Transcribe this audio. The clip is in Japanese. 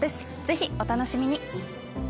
ぜひお楽しみに。